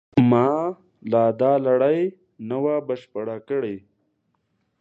ما لا دا لړۍ نه وه بشپړه کړې.